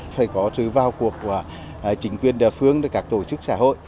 phải có sự vào cuộc của chính quyền địa phương các tổ chức xã hội